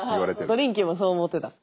トリンキーもそう思ってた。